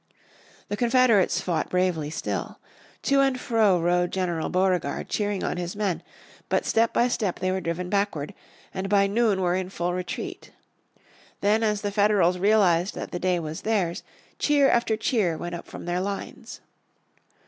The Confederates fought bravely still. To and fro rode General Beauregard cheering on his men, but step by step they were driven backward, and by noon were in full retreat. Then as the Federals realized that the day was theirs cheer after cheer went up from their lines.